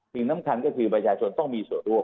สิ่งสำคัญก็คือประชาชนต้องมีส่วนร่วม